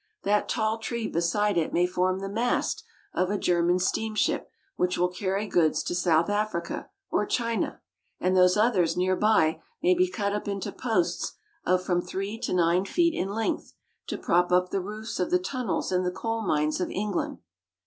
That tall tree beside it may form the mast of a German steam ship which will carry goods to South Africa or China, and those others near by may be cut up into posts of from three to nine feet in length, to prop up the roofs of the tunnels in the coal mines of England.